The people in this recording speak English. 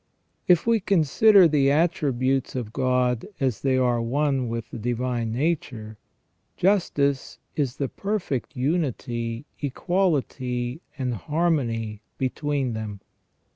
If we consider the attributes of God as they are one with the divine nature, justice is the perfect unity, equality, and harmony between them.